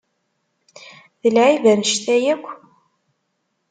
D lɛib annect-a yakk?